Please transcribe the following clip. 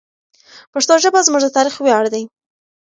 پښتو ژبه زموږ د تاریخ ویاړ دی.